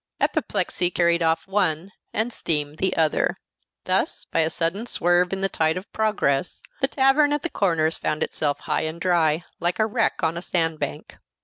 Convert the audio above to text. Apoplexy carried off one, and steam the other. Thus, by a sudden swerve in the tide of progress, the tavern at the Corners found itself high and dry, like a wreck on a sand bank.